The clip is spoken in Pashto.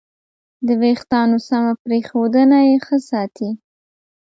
د وېښتیانو سمه پرېښودنه یې ښه ساتي.